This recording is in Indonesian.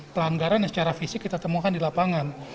pelanggaran yang secara fisik kita temukan di lapangan